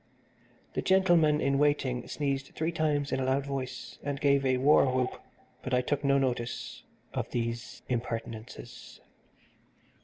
The gentleman in waiting sneezed three times in a loud voice, and gave a war whoop, but I took no notice of these impertinences.